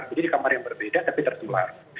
jadi di kamar yang berbeda tapi tertular